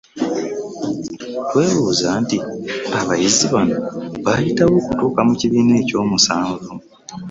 Twebuuza nti, abayizi bano baayita wa okutuuka mu kibiina ekyomusanvu